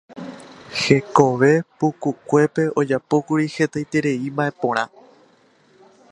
Hekove pukukuépe ojapókuri hetaiterei mba'e porã.